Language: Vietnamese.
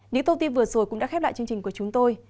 những thông tin vừa rồi cũng đã khép lại chương trình của chúng tôi